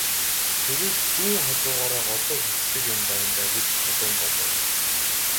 Тэгээд зүүн хажуугаараа голдуу хэвтдэг юм байна даа гэж Чулуун бодов.